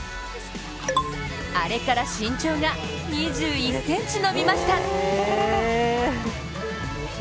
あれから身長が２１ｃｍのびました。